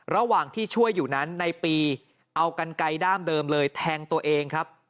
ระหว่างที่ช่วยอยู่นั้นในปีเอากันไกลด้ามเดิมเลยแทงตัวเองครับ